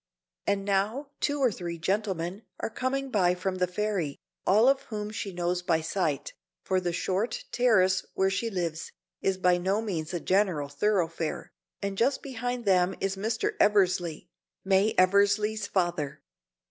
And now two or three gentlemen are coming by from the ferry, all of whom she knows by sight, for the short terrace where she lives is by no means a general thoroughfare, and just behind them is Mr. Eversley, May Eversley's father.